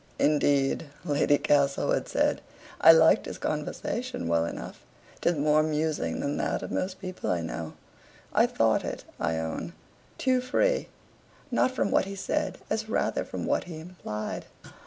"Indeed," Lady Castlewood said, "I liked his conversation well enough. 'Tis more amusing than that of most people I know. I thought it, I own, too free; not from what he said, as rather from what he implied."